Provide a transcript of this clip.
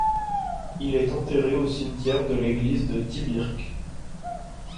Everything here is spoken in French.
Il est enterré au cimetière de l'église de Tibirke.